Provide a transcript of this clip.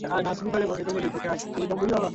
awe au aone kwamba ni hasara kulima zao lile